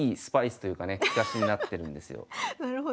なるほど。